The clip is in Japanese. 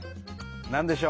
何でしょう？